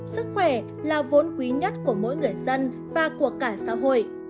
sức khỏe là vốn quý nhất của mỗi người dân và của cả xã hội